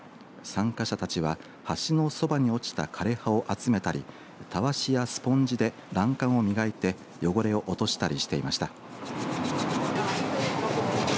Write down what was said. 参加者たちは、橋のそばに落ちた枯れ葉を集めたりたわしやスポンジで欄干をみがいて汚れを落としたりしていました。